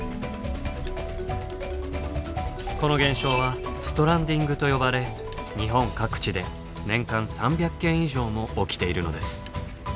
この現象はストランディングと呼ばれ日本各地で年間３００件以上も起きているのです。